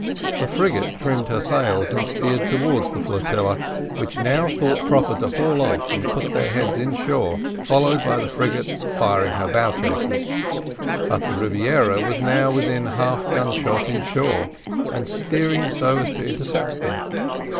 The frigate trimmed her sails and steered towards the flotilla, which now thought proper to haul off and put their heads inshore, followed by the frigate firing her bow chasers. But the Rebiera was now within half gun shot, inshore, and steering so as to intercept them.